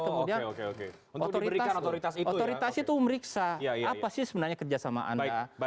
kemudian otoritas itu meriksa apa sih sebenarnya kerja sama anda